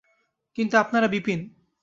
কিন্তু আপনারা– বিপিন।